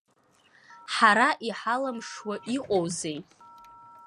Ҳара иҳалымшауа иҟоузеи?!